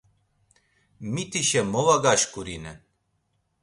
Mitişe mo var gaşǩurinen.